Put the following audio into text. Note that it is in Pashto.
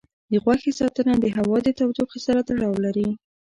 د غوښې ساتنه د هوا د تودوخې سره تړاو لري.